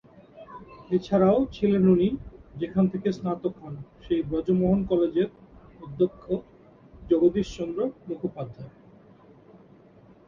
এছারাও ছিলেন উনি যেখান থেকে স্নাতক হন, সেই ব্রজমোহন কলেজের অধ্যক্ষ জগদীশ চন্দ্র মুখোপাধ্যায়।